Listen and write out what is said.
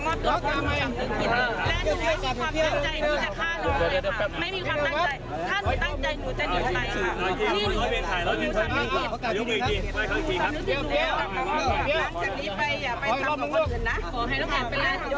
โพธิภาพ